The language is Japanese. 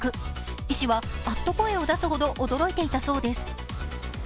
医師はあっと声を出すほど驚いていたそうです。